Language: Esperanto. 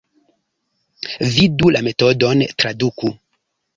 Vidu la metodon traduku.